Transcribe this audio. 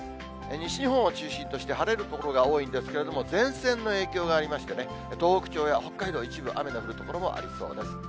西日本を中心として、晴れる所が多いんですけれども、前線の影響がありましてね、東北地方や北海道、一部雨が降る所もありそうです。